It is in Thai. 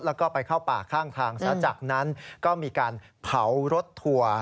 แล้วก็ไปเข้าป่าข้างทางซะจากนั้นก็มีการเผารถทัวร์